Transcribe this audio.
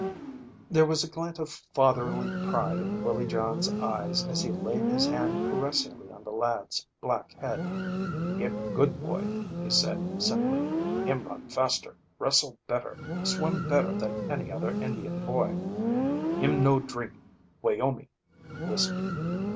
There was a glint of fatherly pride in Willie John's eyes as he laid his hand caressingly on the lad's black head. "Him good boy," he said simply. "Him run faster, wrestle better, swim better than any other Indian boy. Him no drink wyomee (whiskey).